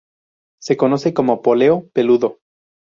Se conoce como "poleo peludo".